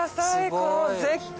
この絶景。